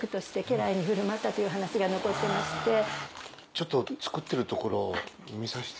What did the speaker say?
ちょっと作ってるところを見させて。